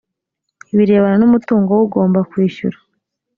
birebana n umutungo w ugomba kwishyura